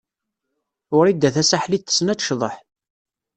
Wrida Tasaḥlit tessen ad tecḍeḥ?